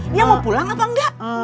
dia mau pulang apa enggak